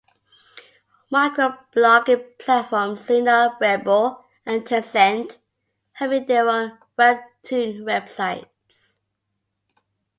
Microblogging platforms Sina Weibo and Tencent have made their own webtoon websites.